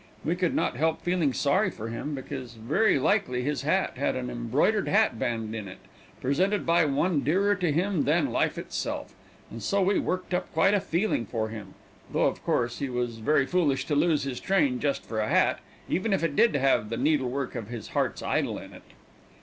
We could not help feeling sorry for him, because very likely his hat had an embroidered hat band in it, presented by one dearer to him than life itself, and so we worked up quite a feeling for him, though of course he was very foolish to lose his train just for a hat, even if it did have the needle work of his heart's idol in it.